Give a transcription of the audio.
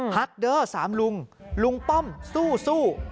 ฮักเดอร์๓ลุงลุงป้อมสู้